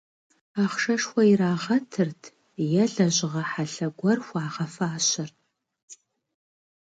Ахъшэшхуэ ирагъэтырт е лэжьыгъэ хьэлъэ гуэр хуагъэфащэрт.